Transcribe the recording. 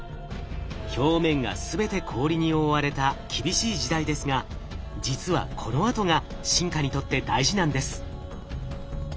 表面が全て氷に覆われた厳しい時代ですが実はこのあとが進化にとって大事なんです。